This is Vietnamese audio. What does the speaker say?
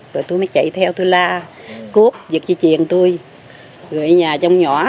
rồi tôi mới chạy theo tôi la cốt giật chi tiền tôi gửi nhà trong nhỏ